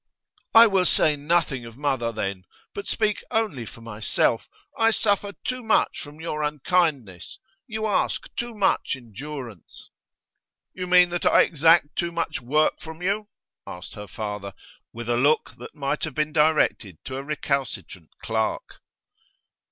'I will say nothing of mother, then, but speak only for myself. I suffer too much from your unkindness; you ask too much endurance.' 'You mean that I exact too much work from you?' asked her father, with a look which might have been directed to a recalcitrant clerk.